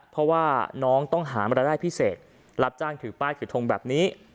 เพราะว่าน้องต้องหามารายได้พิเศษรับจ้างถือป้ายถือทงแบบนี้